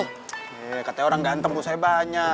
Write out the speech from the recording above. eh katanya orang ganteng rusaknya banyak